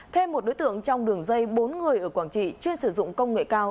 thêm một đối tượng trong đường dây bốn người ở quảng trị chuyên sử dụng công nghệ cao